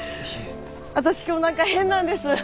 私今日何か変なんです。